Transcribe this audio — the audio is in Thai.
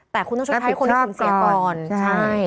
แต่คุณต้องชดใช้ให้คุณให้คุณเสียก่อนใช่